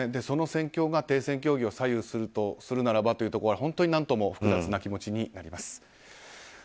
その戦況が停戦協議を左右するならばというと本当に何とも複雑な気持ちになります。